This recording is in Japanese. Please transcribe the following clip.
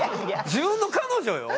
自分の彼女よ。